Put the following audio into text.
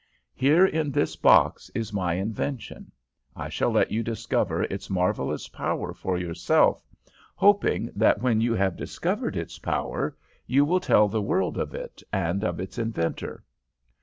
Here in this box is my invention. I shall let you discover its marvellous power for yourself, hoping that when you have discovered its power, you will tell the world of it, and of its inventor.'